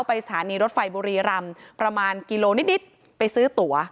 สถานีรถไฟบุรีรำประมาณกิโลนิดไปซื้อตั๋ว